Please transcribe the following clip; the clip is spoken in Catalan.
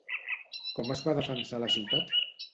Com es va defensar la ciutat?